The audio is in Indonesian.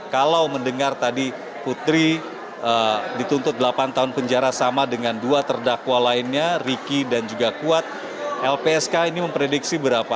kalau mendengar tadi putri dituntut delapan tahun penjara sama dengan dua terdakwa lainnya riki dan juga kuat lpsk ini memprediksi berapa